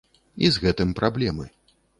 І з гэтым праблемы.